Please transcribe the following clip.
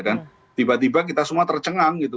dan tiba tiba kita semua tercengang gitu